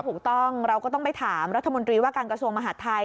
ถูกต้องเราก็ต้องไปถามรัฐมนตรีว่าการกระทรวงมหาดไทย